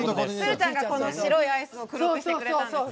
都留ちゃんが白いアイスを黒くしてくれたんですよね。